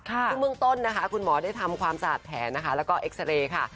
ซึ่งเมืองต้นนะคะคุณหมอได้ทำความสะอาดแผลนะคะแล้วก็เอ็กซาเรย์ค่ะ